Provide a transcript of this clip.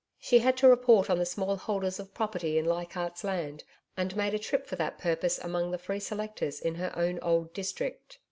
She had to report on the small holders of property in Leichardt's Land and made a trip for that purpose among the free selectors in her own old district.